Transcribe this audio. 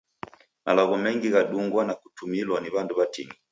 Malagho mengi ghadungwa na kutumilwa ni w'andu w'atini.